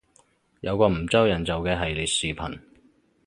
有個梧州人做嘅系列視頻